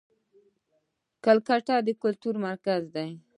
کلکته د کلتور مرکز دی.